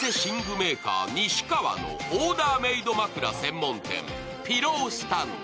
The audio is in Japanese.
メーカー西川のオーダーメード枕専門店、ピロースタンド。